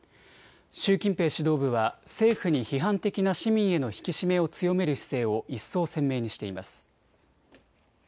習近平指導部は政府に批判的な市民への引き締めを強める姿勢を一層、鮮明にしています。